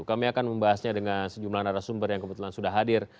kami akan membahasnya dengan sejumlah narasumber yang kebetulan sudah hadir